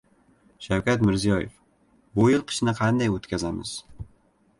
Shavkat Mirziyoyev: Bu yil qishni qanday o‘tkazamiz?